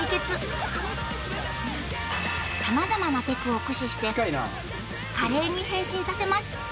様々なテクを駆使して華麗に変身させます